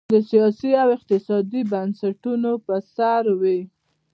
د سیاسي او اقتصادي بنسټونو پر سر وې.